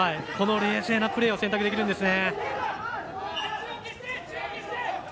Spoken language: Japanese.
冷静なプレーを選択できるんですね。